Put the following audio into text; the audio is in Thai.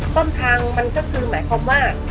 ต้นทางมันก็คือหมายความว่า